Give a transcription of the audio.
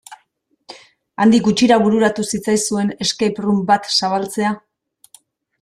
Handik gutxira bururatu zitzaizuen escape room bat zabaltzea?